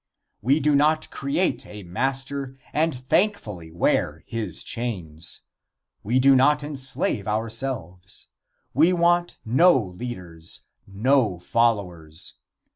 We do not create a master and thankfully wear his chains. We do not enslave ourselves. We want no leaders no followers.